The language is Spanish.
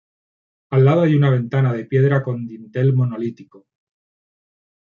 Al lado hay una ventana de piedra con dintel monolítico.